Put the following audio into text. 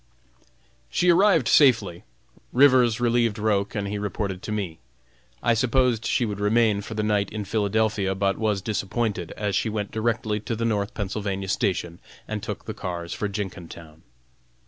She arrived safely. Rivers relieved Roch and he reported to me. I supposed she would remain for the night in Philadelphia, but was disappointed, as she went directly to the North Pennsylvania station and took the cars for Jenkintown.